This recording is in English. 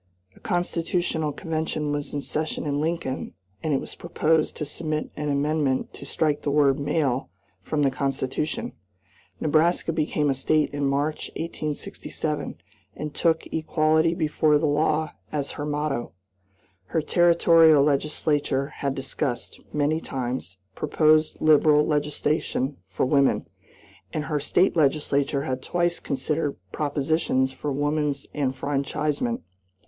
A constitutional convention was in session in Lincoln, and it was proposed to submit an amendment to strike the word "male" from the Constitution. Nebraska became a State in March, 1867, and took "Equality before the law" as her motto. Her Territorial legislature had discussed, many times, proposed liberal legislation for women, and her State legislature had twice considered propositions for woman's enfranchisement.